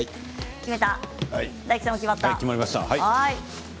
決めた。